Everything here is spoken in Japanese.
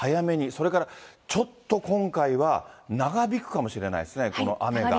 それからちょっと今回は、長引くかもしれないですね、この雨が。